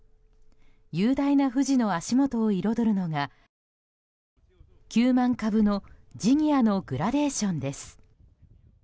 雄大な富士の足元を彩るのは９万株のジニアのグラデーションです。